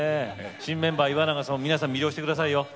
新メンバー岩永さんも皆さんを魅了してくださいよ。